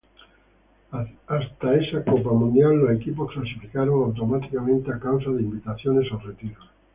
Hasta esa Copa Mundial, los equipos clasificaron automáticamente a causa de invitaciones o retiros.